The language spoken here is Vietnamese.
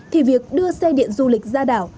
thì việc đưa xe điện du lịch ra đảo